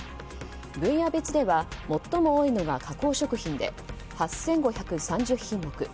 分野別では最も多いのが加工食品で８５３０品目。